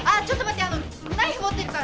ちょっと待って。